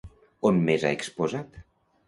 On més ha exposat?